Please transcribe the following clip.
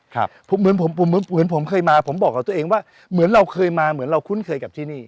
เหมือนผมผมเหมือนเหมือนผมเคยมาผมบอกกับตัวเองว่าเหมือนเราเคยมาเหมือนเราคุ้นเคยกับที่นี่